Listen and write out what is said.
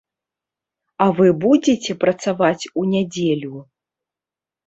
А вы будзеце працаваць у нядзелю?